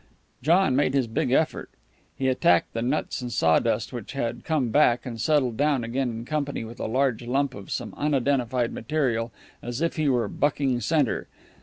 John made his big effort. He attacked the nuts and sawdust which had come back and settled down again in company with a large lump of some unidentified material, as if he were bucking center.